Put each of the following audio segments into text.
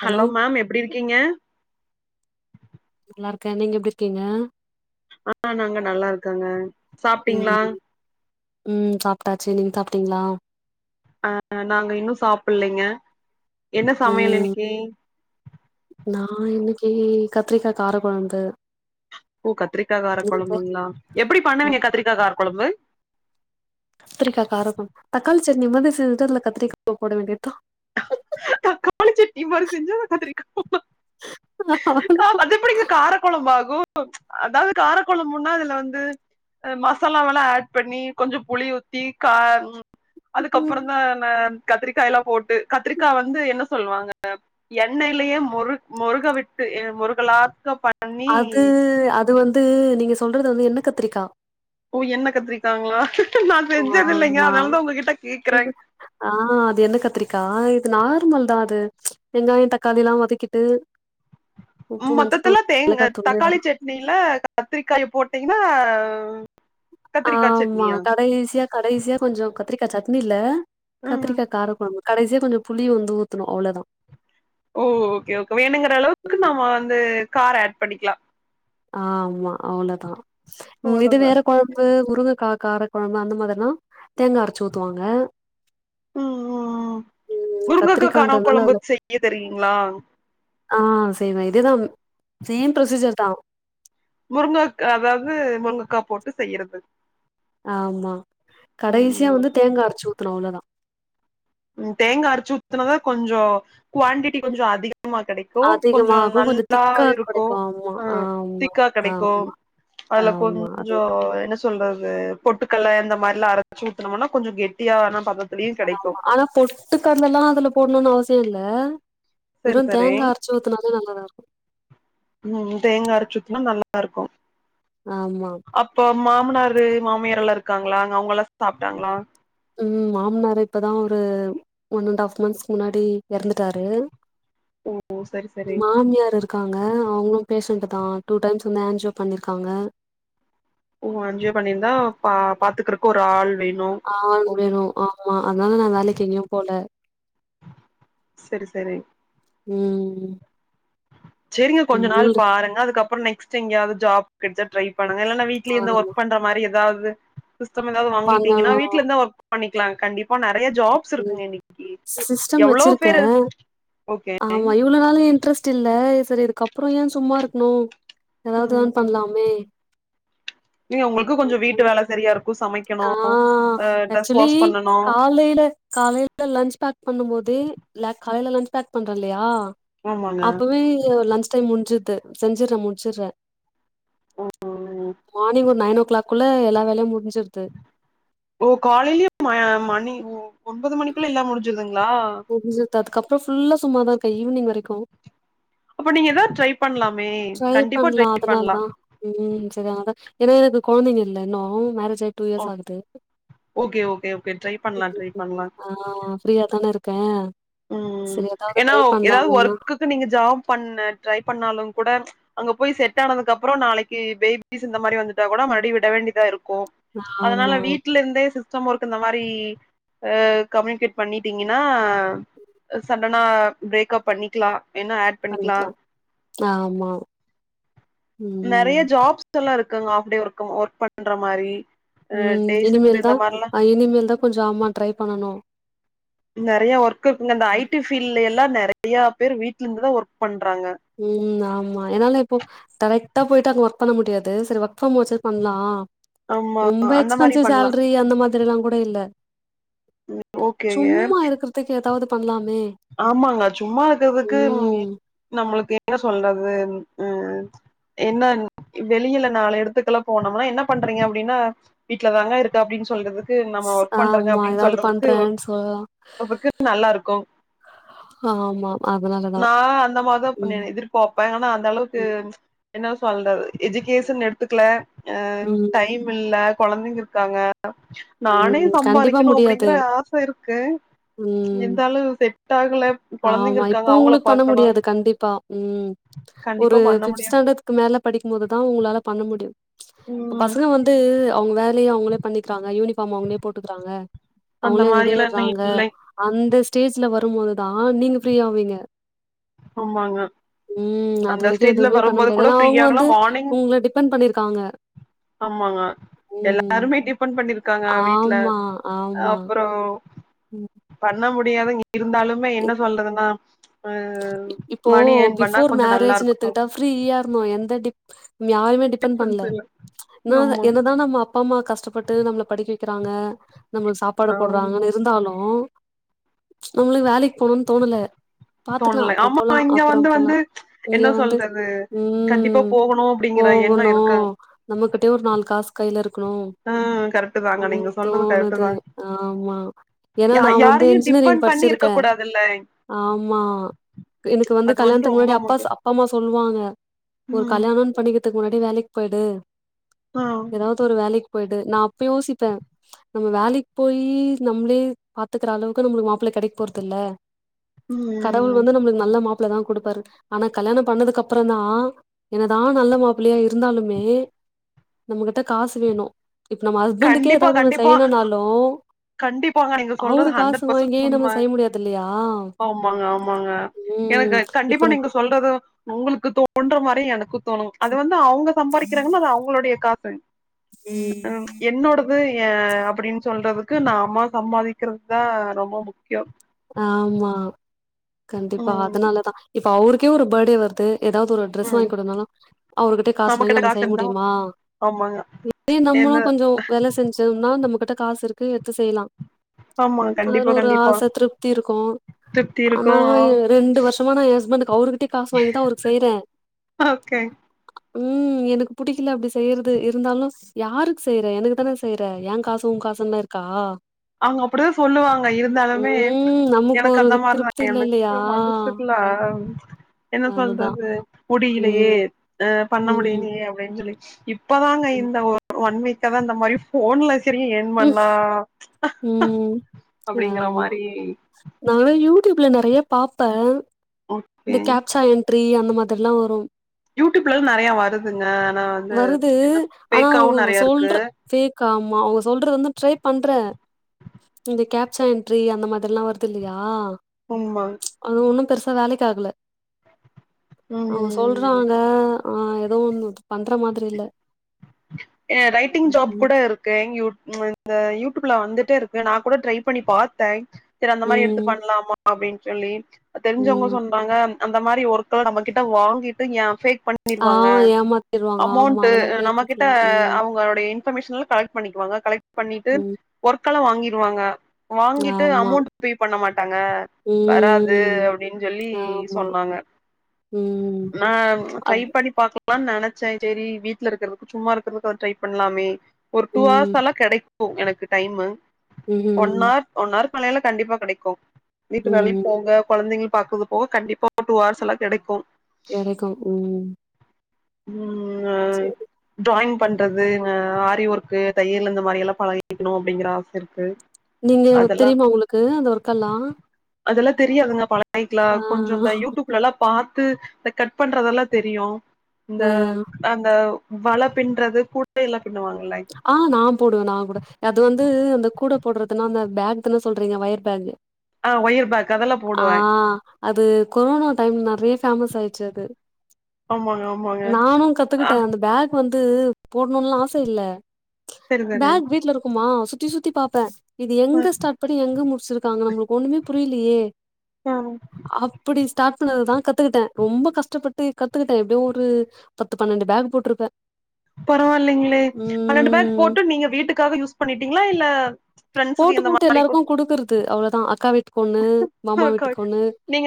Hello ma'am எப்டி இருக்கீங்க நல்லா இருக்கே நீங்க எப்டி இருக்கீங்க ஆ நாங்க நல்லா இருக்கங்க சாப்டீங்ளா ம் ம் சாப்டாச்சு நீங்க சாப்டீங்ளா ஆ நாங்க இன்னு சாப்பிட்லங்க என்ன சமையல் ம் இன்னைக்கி நா இன்னைக்கி கத்திரிக்கா கார கொழம்பு ஓ கத்திரிக்கா கார நீங்க கொழம்புங்ளா எப்டி ம். பண்ணுவீங்க கத்திரிக்கா கார கொழம்பு கத்திரிக்கா கார கொழம்பு தக்காளி சட்னி மாதிரி [unintelligible] கத்திரிக்கா போட வேண்டியதா தக்காளிச்சட்னி மாறி செஞ்சா கத்திரிக்கா போல ஆ அவ்ளோதா அதெப்டிங்க காரக் கொழம்பாகும் அதாவது காரக் கொழம்புன்னா அதுல வந்து மசாலாவெல்லா ஹேட் பண்ணி கொஞ்சோ புளி ஊத்தி கார்னு ம் அதுக்கப்புறோந்தா நா கத்திரிக்காயெல்லா போட்டு கத்திரிக்கா வந்து என்ன சொல்வாங்க எண்ணெயிலயே மொரு மொருக விட்டு மொருகலாக்கபட் அது அது வந்து நீங்க சொல்றது வந்து எண்ணெ கத்திரிக்கா ஓ எண்ணெ கத்திரிக்காங்ளா நா செஞ்சது இல்லைங்க ஆமா அதனாலதா உங்க கிட்ட கேக்றே இது ஆ அது எண்ணெ கத்திரிக்கா இது நார்மல் தா அது வெங்காயோ தக்காளி எல்லா வதக்கிட்டு உப்பு மொத்தத்துல மஞ்சத்தூள் தேங் மிளகாத்தூளு தக்காளி சட்னில கத்திரிக்காய போட்டீங்கன்னா கத்திரிக்கா ஆமா சட்னியா கடைசியா கடைசியா கொஞ்சோ கத்திரிகாசட்னில ம் கத்திரிக்கா கார கொழம்பு கடைசியா கொஞ்சோ புளிய வந்து ஊத்தணு அவ்ளோதா ஓ ஓக்கே ஓக்கே வேணுங்கிற அளவுக்கு ம் நாம்ப வந்து காரோ ஹேட் பண்ணிக்கலா ஆமா அவ்ளோதா இது அவ்ளோதா வேற கொழம்பு முருங்கக்கா கார கொழம்பு அந்த மாதிரிதா தேங்கா அரைச்சு ஊத்துவாங்க ம் ம் ம் முருங்கக்கா கார கத்திரிக்கான்றதுனால கொழம்பு அதுல செய்ய தெரியுவீங்ளா ஆ செய்வே இதுதா சேம் ஃப்ரோசீஜர் தா முருங்கக் அதாவது முருங்கக்கா போட்டு செய்யறது ஆமா கடைசியா ம் வந்து தேங்கா அரைச்சு ஊத்தணு அவ்ளதா ம் தேங்கா அரச்சி ஊத்தினாதா கொஞ்ச குவாடிட்டி கொஞ்ச அதிகமா கெடைக் கொ கொஞ்ச அதிகமாகு கொஞ்சோ நல்லா திக்கா இருக்கு கெடைக்கு ஆமா அ ஆமா திக்கா கிடைக்கு ஆமா அதுல ஆமா கொஞ்ச அது என்ன சொ ல்றது பொட்டுக்கல்ல இந்த மாரில்லா அரைச்சு ஊத்தனும்னா கொஞ்ச கெட்டியா வேணா பத ஆனா பொட்டு கடல எல்லா அதுல போடணுனு அவசிய இல்ல சரி வெறு சரி தேங்கா அரச்சு ஊத்துனாலே நல்லதா இருக்கு ம் தேங்கா அரச்சி ஊத்தினா நல்லா இருக்கு ஆமா அப்ப மாமனாரு மாமியார் எல்லா இருக்காங்களா அங்க அவங்க எல்லா சாப்டாங்களா ம் மாமனாரு இப்பதா ஒரு ஒன் அண்ட் ஹாஃப் மந்த்ஸ் முன்னாடி எறந்துட்டாரு ஓ சரி சரி மாமியார் இருக் இருக்காங்க அவங்களு பேஷண்ட் தா டூ டைம்ஸ் வந்து ஆன்ஜியோ பண்ணிருக்காங்க ஓ ஆன்ஜியோ பண்ணியிருந்தா பா பாத்துக்கறக்கு ஒரு ஆள் வேணு ஆளு ஓ வேணு ஆமா அதனால நா வேலைக்கு எங்கயு போல செரி செரி ம் செரிங்க கொஞ்ச நாள் உங்களு பாருங்க அதுக்கப்புற நெக்ஸ்ட் எங்கயாவது ஜாப் கிடைச்சா ட்ரை பண்ணுங்க இல்லனா வீட் வீட்ல ஆ இருந்து ஒர்க் பண்ற மாரி ஏதாவது சிஸ்டம் ஏதாவது வாங்கிட்டீங்கன்னா பண்ணணு வீட்ல இருந்து ஒர்க் பண்ணிக்கலா கண்டிப் இப்ப நெறைய ஜாப்ஸ் ம் இருக்குங்க இன்னைக்கி சிஸ்டம் எவ்ளோ வச்சிருக்கே பேர் ஓகேங் ஆமா இவ்ளோ நாளு இன்ட்ரெஸ்ட் இல்ல செரி இதுக்கப்புற ஏ சும்மா இருக்கணு ஏதாவது ஏர்ன் பண்ணலாமே இல்லீங்க உங்களுக்கு கொஞ்ச வீட்டு வேல சரியா இருக் ஆ ஆக்சுவலி வாஷ் பண்ணனு காலைல காலையில லன்ச் பேக் பண்ணும் போதே ல காலையில லன்ச் பேக் பண்றே இல்லையா ஆமாங்க அப்பவே லஞ்ச் டைம் முடிஞ்சுருது செஞ்சுறே முடிச்சுறே ம் மார்னிங் ஒரு நைன் ஓ கிளாக்குள்ள எல்லா வேலையு முஞ்சிரு ஓ காலையிலயே ம மணி ஓ ஒன்பது மணிக்குள்ள எல்ல முடிஞ்சுருதுங்களா முடிஞ்சுருது அதுக்கப்புறோ ஃபுல்லா சும்மாதா இருக்கே ஈவினிங் வரைக்கு அப்ப நீங்க எதா ட்ரை பண்ணலாமே ட்ரை கண்டிப்பா பண்லா ட்ரை பண்லா அதனாலதா ம் சரிதா அதா ஏன்னா எனக்கு கொழந்தைங்க இல்ல இன்னு மேரேஜ் ஆயி டூ ஓ இயர்ஸ் ஆகுது ஓகே ஓகே ஓகே ட்ரை பண்லா ட்ரை ம் பண்லா ஆ ஆ ஃப்ரீயா தான இருக்கே சரி எதாது ட்ரை பண்ணலாமேனா து நீங்க ஜாப் பண்ண ட்ரை பண்ணாலு கூட அங்க போய் செட் ஆனதுக்கு கப்புற நாளைக்கி பேபிஸ் இந்த மாரி வந்துட்டா கூட மறுடியு விட வேண்டிதா இருக்கு ஆமா அதனால வீட்ல‌ இருந்தே சி ஸ்டம் வொர்க் இந்த மாரி அ கம்யூனிகேட் பண்ணிட்டீங்கன்னா சடனா பிரேக்கப் பண்ணிக்கலா ஏன்னா அ பண்ணிக்கலா ஆமா ம் த்தெல்லா இருக்குங்க ஃஆப் டே ஒர்க் ஒர்க் பண்ற மாரி அ ம் டே ஷிஃப்ட் இனிமேல் தா இந்த மாரிலா ஆ இனிமேல் தா கொஞ்சோ ஆமா ட்ரை பண்ணனு நெறைய ஒர்க் இருக்குங்க இந்த ஐ டி ஃபீல்டுல எல்லா நெறைய பேரு வீட்டுல இருந்துதா ஒர்க் பண்றாங்க ம் ஆமா என்னால இப்போ டைரெக்டா போயிட்டு அங்க ஒர்க் பண்ண முடியாது சரி ஒர்க் ஃப்ரம் ஆச்சு பண்லா ஆமா ரொம்ப அந்த மாரி எக்ஸ்பென்சிவ் பண்லா சேல்ரி அந்த மாதிரில்லா கூட இல்ல ம் ஓகேங்க சும்மா இருக்குறதுக்கு எதாவது பண்லாமே ஆமாங்க சும்மா ஈக்கறதுக்கு ம் நம்மளுக்கு என்ன சொல்றது ம் என்ன வெளியில நாலு எடத்துக்கெல்லா போனோம்னா என்ன பண்றீங்க அப்டின்னா வீட்ல தாங்க இருக்கே அப்டின்னு சொல்றதுக்கு க்கு நம்ம ஸ் ஒர்க் பண்றங்க ஆமா அப்டின் ஏதாவது சொல்றதுக்கு ஓ பண்றேன்னு சொல்லலா ளவுக்கு நல்லா இருக்கோ ஆமா அதனாலதா நான் அந்த மாருதா ம் பண்ணினே எதிர்ப் ஓ அப்ப ‌எங்கனா அந்த அளவுக்கு ம் என்ன சொல்றது எஜுகேசன் எடுத்துக்கல அ ம் டைம் இல்ல குழந்தைங்க இருக்காங்க நானே ம் கண்டிப்பா சம்பாரிக்கணூ முடியாது அப்படிங்கற ஆச இருக்கு ம் இருந்தாலூ செட் ஆகல கொழந்தைங்க ஆமா இப்ப இருக்காங்க அவங்கள உங்குளுக் பண்ண பாக்கணு முடியாது கண்டிப்பா உம் கண்டிப்பா ஒரு பண்ண ஃபிப்த் முடியாது ஸ்டேண்டர்ட் க்கு மேல படிக்கூ போது தா உங்களால பண்ண முடியூ இப்ப ம் பசங்க வந்து அவுங்க வேலய அவுங்ளே பண்ணிக்கிறாங்க யூனிஃபார்ம் அவங்களே போட்டுக்குறாங்க அந்த அவங்களே மாரிலா இன்னு ரெடியாயிற்றாங்க இல்லை அந்த ஸ்டேஜ்ல வரும்போது தா நீங்க ஃப்ரீயா ஆவீங்க ஆமாங்க ம் அது அந்த வரைக்கூ ஸ்டேஜ்ல எதுவுமே பண்ண வரும்போது முடியாது கூட ஏன்னா அவங்க ஃப்ரீயாகலா வந்து மார்னிங் உங்கள டிபெண்ட் பண்ணிருக்காங்க ஆமாங்க ம். எல்லாருமே டிபெண்ட் பண்ணிருக்காங்க வீட்ல ஆமா, ஆமா. அப்றோ ம் பண்ண முடியாதுங் இருந்தாலுமே என்ன இப் சொல்றதுன்னா அ இப்போ மணி ஏர்ன் பண்ணா பிஃபோர் கொஞ்சோ நல்லா மேரேஜ்ன்னு இருக்கு எடுத்துக்கிட்டா ஃப்ரீயா இருந்தோ எந்த டிப் யாரையுமே டிபண்ட் பண்ல டிஃப்ரென்ஸ் இல்ல ன்னா ஆமா என்னதா நம்ம அப் அப்பா அம்மா கஷ்டப்பட்டு நம்மள படிக்க வைக்கிறாங்க நம்மளுக்கு சாப்பாடு போட்றாங்கன்னு இருந்தாலூ நம்மளுக்கு வேலைக்கு போனுன்னு தோணல பாத்துக்கலாம். தோண்ல அப்புறம் ஆமா போலாம், இங்க வந்து அப்புறம் வந்து போலாம். இங்க என்ன வந்து சொல்றது கண்டிப்பா ம். போகணூ அப்டிங்கிற எண்ணோ இருக்கங் நம்மகிட்டயூ ஒரு நாலு காஸ் கையில இருக்கணூ அ கரெக்ட் தாங்க நீங்க சொல்றது கரெக்ட் தாங் ஆமா. ஏன்னா யா நான் வந்து யாரையூ இன்ஜினியரிங் டிபெண் பண்ணி இர்க் இருக்க கூடாதுல்லய் மா எனக்கு வந்து கல்யாணத்துக்கு ரொம்ப முன்னாடி அப்பா முக்கிய அப்பா அம்மா சொல்லுவாங்க ஒரு ம் கல்யாணோ பண்ணிக்கறதுக்கு முன்னாடி வேலைக் போய்டு ஆ ஏதாவது ஒரு வேலைக் போய்டு நா அப்ப யோசிப்பே நம்ம வேலைக்கி போய் நம்மளே பாத்துக்கற அளவுக்கு நம்மளுக்கு மாப்ள கெடைக்க போறது இல்ல ம் கடவுள் வந்து நம்மளுக்கு நல்ல மாப்ள தா குடுப்பாரு ஆனா கல்யாணோ பண்ணதுக்கு அப்பறந் தா என்னதா நல்ல மாப்பிள்ளையா இருந்தாலுமே நம்மகிட்ட காசு வேணூ இப்ப நம்ம ஹஸ்பண்டுக்கே கண்டிப்பா ஏதாவது ஒன்னூ கண்டிப்பா செய்யணும்னாலூ கண்டிப்பாங்க நீங்க சொல்றது அவுரு காசு ஹண்ட்ரட் வாங்கியே பர்சன்ட் நம்ம உண்ம செய்ய முடியாது இல்லயா ஆமாங்க ஆமாங்க எனக்கு அது இப்ப கண்டிப்பா ந நீங்க சொல்றது உங்களுக்கு தோன்ற மாரியே எனக்குந் தோணூ அது வந்து அவுங்க சம்பாரிக்கிறாங்கன்னா அது அவுங்களுடைய காசு ம் என்னோடது ஏ அப்டின் சொல்றதுக்கு நாம்மா சம்பாதிக்கிறது தா ரொம்ப முக்கியோ ஆமா கண்டிப்பா ம் அதனாலதா இப்ப அவருக்கே ஒரு பர்டே வருது ஏதாவது ஒரு ட்ரெஸ் ம் வாங்கி குடுக்கனாலூ அவர்கிட்டே காசு வாங்கி நம்ம செய்ய முடியுமா ஆமாங்க இப்பயூ நம்மளும் என்ன கொஞ்சோ வேல செஞ்சோம்னா நம்ம கிட்ட காசு இருக்கு எட்த்து செய்யலா ஆமாங்க அதுல கண்டிப்பா ஒரு கண்டிப்பா ஆச திருப்தி இருக்கும் திருப்தி இருக்கு ஆனா ரெண்டு வருஷமா நா எ ஹஸ்பண்ட்க்கு அவருகிட்டயே காசு வாங்கிதா அவருக்கு செய்யுறே ஓக்கே ம் எனக்கு புடிக்கல அப்டி செய்யறது இருந்தாலு யாருக்கு செய்ற எனக்கு தான செய்ற எ காசு உ காசுந்தா இருக்கா அவுங்க அப்டிதா சொல்லுவாங்க இருந்தாலுமே ம் நமக்கு எனக்கு ஒரு அந்த மாறிதா திருப்தி இல்ல இல்லையா எனக்கு மனசு இல்ல என்ன அதுதா சொல்றது ம் முடியலையே அ பண்ண ம், முடியலயே அப்டினு சொல்லி இப் பதாங்க ம். இந்த ஒன் வீக்ல தா இந்த மாறி ஃபோன்ல செரி ஏர்ன் ம், பண்லா ம் அப்டிங்கிற ஆமா மாரி நாங்கல்லா யூடியூப்ல நெறையா பாப்பே இந்த ஓகே கேப்சா என் ட்ரீ அந்த மாதிரில்லா வரும் யூடியூப்ல நெறையா வருதுங்க ஆனா வந்து வருது. என்ன ஆனா ஃபேக்காவு அவங்க நெறையா சொல்ற இருக்கு ஃபேக் ஆமா ஓஸ் சொல்றது வந்து ட்ரை பண்றே இந்த கேப்சா என்ட்ரி அந்த மாதிரி எல்லா வருது இல்லயா ஆமா அது ஒன்னும் பெருசா வேலைக் ஆகல அவுங்க ம் சொல்றாங்க ஆ எதோ ஒன்னு பண்ற மாதிரி இல்ல அ ரைட்டிங் ஜாப் ம், கூட இருக்கு யூட் மன் இந்த யூடியூப்ல வந்துட்டே இருக்கு நா கூட ட்ரை பண்ணி பாத்தே சரி அந்த மாறி எடுத்து ம், பண்லாமா அப்டின்னு சொல்லி தெரிஞ்சவங்க ம். சொன் னாங்க அந்த மாறி ஒர்க்கெல்லா நம்ம கிட்ட வாங்கிட்டு யா ஃபேக் பண் ஆ ணிருவாங்க ஏமாத்திருவாங்க. ஆமா. அமௌண்ட்டு அதெல்லாம் நம்ம ஃபேக்கு கிட் ட ஃபுல்லா. ம், அவுங்களுடைய இன்ஃபர்மேஷன் எல்லா கலெக்ட் பண்ணிக்குவாங்க கலெக்ட் பண்ணிட்டு ம். ஒர்க் எல்லா வாங்கிருவாங்க வாங்கிட்டு ஆமா. அமௌண்ட் பே பண்ண மாட்டாங்க வராது ம். அப்டின்னு சொல்லி ஆமா. சொன்னாங்க ம் நா ட்ரை அது பண்ணி பாக்க லான்னு நெனைச்சே சேரி வீட்ல இருக்கறதுக்கு சும்மா இருக்கறதுக்கு ஒரு ட்ரை பண்லாமே ஒரு டூ ம். ஹவர்ஸ் எல்லா கிடைக் கும் எனக்கு டைமு ம் ஒன்னார் ஒன்னார்க்கு மேலயெல்லா கண்டிப்பா கெடைக்கும் வீட்டு வேலைக்கு ம் போக கொழந்தைங்க பாக்குறதுப்போக கண்டிப்பா டூ ஹவர்ஸ்ல்லா கெடைக்கு கெடைக்கும் உம் உம் டிராயிங் பண்றது இங்க ஆரி ஒர்க் கு தையல் இந்த மாறில்லா பழகிக்கணும் அப்படிங்கிற ஆச இருக்கு நீங்க உங்களுக்கு அதெல்லா தெரியுமா உங்களுக்கு அந்த ஒர்க்கல்லா அதெல்லா தெரியாதுங்க பழகிக்கலா கொஞ்சோ இந்த யூடியூப்லல்லா பாத்து இந்த கட் பண்றதெல்லா தெரியு இந்த அந்த வல பின்றது கூடையெல்லா பின்னுவாங்க இல்லைங் ஆ நா போடுவே நா கூட அது வந்து அந்த கூடை போட்றதுன்னா அந்த ஃபேக் தானே சொல்றீங்க ஒயர் ஃபேகு ஆ ஒயர் பேக் அதெல்லா ஆ போடுவே அது கொரோனோ டைம் நறைய ஃபேமஸ் ஆச்சு அது ஆமாங்க ஆமாங்க நானும் ஆ கத்துக்கிட்டே அந்த ஃபேக் வந்து போட்ணுன்னு எல்லா ஆச இல்ல சரி சரிங்க ஃபேக் வீட்ல இருக்குமா சுத்தி சுத்தி பாப்பே இது ஆ எங்க ஸ்டாட் பண்ணி எங்க முடிச்சிருக்காங்க நம்மளுக்கு ஒன்னுமே புரியலையே ஆ அப் பிடி ஸ்டாட் பண்ணதுதா கத்துக்கிட்டே ரொம்ப கஷ்டப்பட்டு கத்துக்கிட்டே எப்டியோ ஒரு பத்து பன்னண்டு ஃபேக் போட்ருப்பே பரவாயில்லைங்களே ம் பண்ணெண்டு பேக் போட்டு நீங்க வீட்டுக்காக யூஸ் பண்ணிட்டீங்களா இல்ல ஃப்ரெண்ட்ஸுக்கு போட்டு இந்த போட்டு மாரி எல்லாருக்கு குடுத்து குடுக்குறது அவ்வளவுதான் அக்கா வீட்டு ஒண்ணு, மாமா வீட்டுக்கு ஒண்ணு,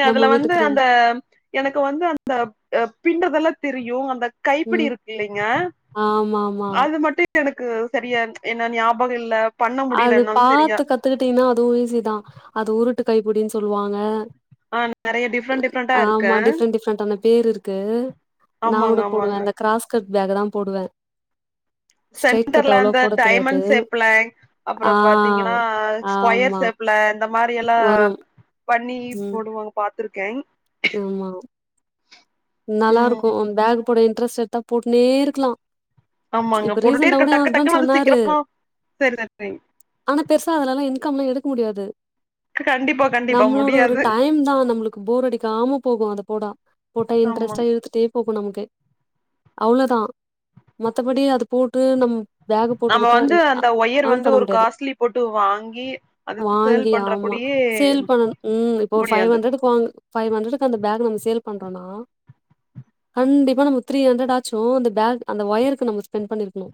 நம்ம வீட்டுக்கு ரெண்டு ஆ எனக்கு வந்து அந்த பின்ரதெல்லா தெரியு அந்த கைப்பிடி ம் இருக்கு இல்லைங்க ஆமாமா அது மட்டும் எனக்கு தெரியாது ஏனா ஞாபகம் இல்ல பண்ண முடியல என்னால சரியா கத்துக்கிட்டீன்னா அதுவு ஈசிதா அது உருட்டு கைப்படின்னு சொல்லுவாங்க ஆ நெறைய டிஃப்ரெண்ட் டிஃப்ரெண்டா இருக்கு ஆமா டிஃப்ரெண்ட் டிஃப்ரெண்டான பேரு இருக்கு நான் ஆமாங்க கூட போடுவேன் ஆமாங்க அந்த கிராஸ்கட் பேக் தான் போடுவேன் சென்டர்ல அந்த தெரியாது டைமண்ட் சேப்ல ஆ அப்பறம் பாத்தீங்கன்னா ஸ்கொயர் ஆமா ஷேப்ல இந்த மாறியெல்லா வரும் பண்ணி ம் போடுவாங்க பாத்துருக்கே ஆமா நல்லா ம் இருக்கும் பேக் போடுற இன்ரெஸ்ட் எடுத்த போட்டுனே இருக்கலா ஆமாங்க இப்ப போட்டுட்டே ரீசெண்டா இருக்க கூட எ டக்கு ஹஸ்பண்ட் டக்குன்னு அது சொன்னாரு சீக்கிரமா சேரி சேரி ஆனா பெருசா அதுலெல்லா இன்கம்ல்லா எடுக்க முடியாது கண்டிப்பா கண்டிப்பா நம்மளோட ஒரு முடியாது டைம் தா நம்மளுக்கு போர் அடிக்கு காம போகும் அது போடா போட்டா ஆமா இன்டரஸ்ட்டா எடுத்துட்டே போகும் நமக்கு அவ்வளவுதான் மத்தபடி அது போட்டு நம்ம பேக் போட்டு நம்ம கொடுத்தா வந்து அந்த ஒயர் யோன் வந்து பண்ண ஒரு முடியாது காஸ்ட்லி போட்டு வாங்கி அது சேல் வாங்கி பண்ற ஆமா கூடியே சேல் பண்ண ம் இப்ப ஒரு ஃபைவ் முடியாது ஹண்ட்ரடக்கு வாங்க ஃபைவ் ஹண்ட்ரடுக்கு அந்த பேக் நம்ம சேல் பண்றோனா கண்டிப்பா நம்ம த்ரீஹண்டரடச்சு அந்த பேக் அந்த ஒயர்க்கு நம்ம ஸ்பெண்ட் பண்ணிருக்கணு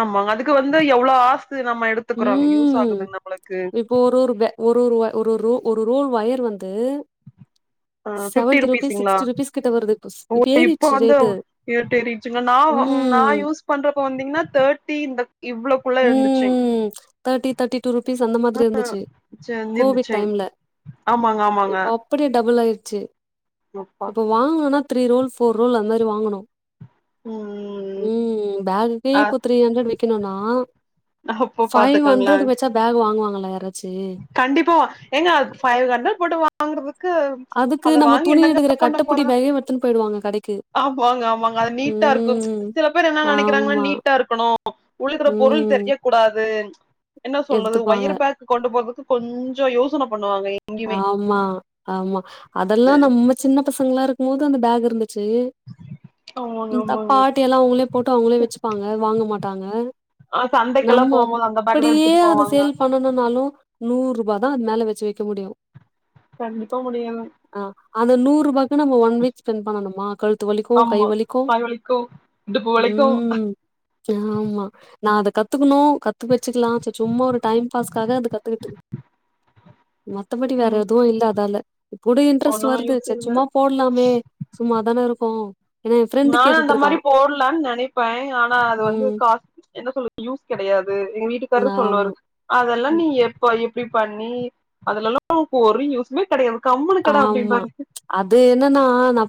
ஆமாங்க அதுக்கு வந்து எவ்வளவு ஹாவர்ஸ் நம்ம எடுத்துக்குறோ யூஸ் ம் ஆகுது நம்மளுக்கு இப்போ ஒரு ஒரு பே ஒரு ஒரு ஒரு ஒரு ரூல் வயர் வந்து ஆ பிப்டி செவன்டி ருபீஸ் ருபீஸ்ஸுங்களா சிக்ஸ்டி ருபீஸ் கிட்ட வருது இப்ப ஒகே இப்ப ஏறிடுச்சு வந்து ரேட்டு [unintelligible] ந நா ம் யூஸ் பண்றப்ப வந்தீங்கன்னா தேர்ட்டி இந்த இவ்ளோ குள்ள இருந்துச்சுங்கா ம். ருப்பீஸ் அந்த மாதிரி ஆ ஹா இருந்துச்சு. கோவிட் [unintelligible] ஆமாங்க ஆமாங்க அப்டியே டபுள் ஆயிடுச்சு இப்பா வாங்கனுனா த்ரீ ரோல் ஃபோர் ரோல் அந்த மாறி வாங்கணு ம் ம் பேகுக்கே ஆ இப்போ த்ரீ ஹண்ட்ரட் விக்கணுனா அப்ப ஃபைவ் பாத்துக்கோங்களே ஹண்ட்ரடு வச்சா பேக் வாங்குவாங்கள யாராச்சு கண்டிப்பா வாங் ஏங்க ஃபைவ் ஹண்டரட் போட்டு வாங்குறதுக்கு அதுக்கு அத நம்ம வாங்கி துணி என்னங்க எடுக்கிற பண்ண கட்டப்புடி போறோ பேகே எடுத்துன்னு போயிடுவாங்க கடைக்கு. ஆமாங்க ஆமாங்க அது நீட்டா இருக்கு ம். சில பேர் என்ன நினைக்கிறாங்கன்னா ஆமா. நீட்டா இருக்கணு உள்ளுகுள்ள பொருள் ம். தெரிய கூடாது என்ன சொல்றது எடுத்துப்பாங்க. ஒயர் பேக் கொண்டு போறதுக்கு கொஞ்சோ யோசன பண்ணுவாங்க இங் ஆமா ஆமா அதெல்லா நம்ம சின்ன பசங்கல்லா இருக்கு போது அந்த பேக் இருந்துச்சு ஆமாங்க தப்பா ஆமாங்க ஆட்டி எல்லா அவங்களே போட்டு அவங்களே வச்சுப்பாங்க வாங்க மாட்டாங்க ஆ சந்தைக்கெல்லா நம்ம அத போம்போது அந்த பேக் தா அப்டியே எடுத்துட்டு அத போவாங்க சேல் பண்ணணுனாலு நூரூபா தா அது மேல வச்சு வைக்க முடியு கண்டிப்பா முடியல ஆ அந்த நூறு ரூபாக்கு நம்ம ஒன் வீக் ஸ்பெண்ட் பண்ணணுமா கழுத்து வலிக்கு கை வலிக்கு இந்த பூ வளைக்கு ம் ஆமா நா அத கத்துக்கணு கத்து வச்சுக்கலா சு சும்மா ஒரு டை பாஸ்க்கா அது கத்துக்கிட்டு மத்தபடி வேற ம் எதுவு இல்ல அதால இப்பூட இன்ட்ரெஸ்ட் ஒண்ணுமே வருது யூஸ் செ இல்ல சும்மா போடலாமே சும்மாதான இருக்கோ ஏன்னா என் ஃப்ரெண்டு நா அந்த கேட்டுட்டு இருக்கா மாரி போடலான்னு நெனைப்பே ஆனா அது வந்து ம் காசு என்ன சொல்ல யூஸ் கெடையாது எங்க வீட்டுக்காரு ஆமா சொல்லுவாரு அதெல்லா ம் நீ எப்ப எப்டி பண்ணி அதெலல்லா உனக்கு ஒரு யூஸ் மே கெடையாது கம்முனு கெட ஆமா அப்படிம்பாரு அது என்னனா ந